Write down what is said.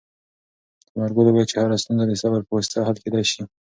ثمرګل وویل چې هره ستونزه د صبر په واسطه حل کېدلای شي.